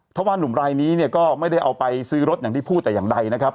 เพราะว่านุ่มรายนี้เนี่ยก็ไม่ได้เอาไปซื้อรถอย่างที่พูดแต่อย่างใดนะครับ